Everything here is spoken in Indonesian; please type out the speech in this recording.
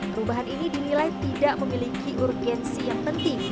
perubahan ini dinilai tidak memiliki urgensi yang penting